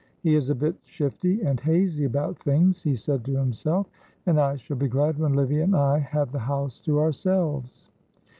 "He is a bit shifty and hazy about things," he said to himself, "and I shall be glad when Livy and I have the house to ourselves."